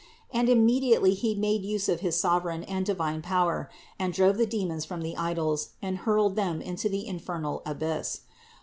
And immediately He made use of his sover eign and divine power and drove the demons from the THE INCARNATION 551 idols and hurled them to the infernal abyss.